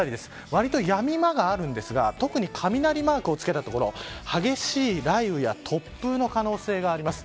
わりと、やみ間があるんですが特に、雷マークをつけた所激しい雷雨や突風の可能性があります。